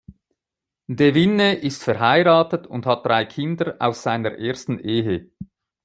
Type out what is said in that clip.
De Winne ist verheiratet und hat drei Kinder aus seiner ersten Ehe.